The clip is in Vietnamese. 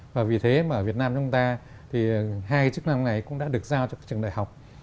và vì thế mà ở việt nam chúng ta thì hai chức năng này cũng đã được giao cho các trường đại học